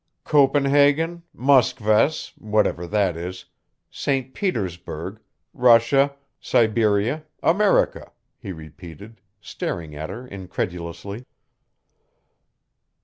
"Copenhagen Muskvas, whatever that is St. Petersburg Russia Siberia America," he repeated, staring at her incredulously.